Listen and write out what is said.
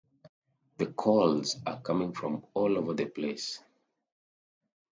The calls are coming from all over the place.